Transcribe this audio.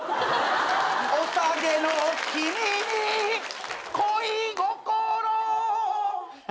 「おさげの君に恋心」